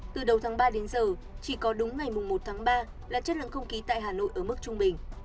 từ đầu tháng ba đến giờ chỉ có đúng ngày một tháng ba là chất lượng không khí tại hà nội ở mức trung bình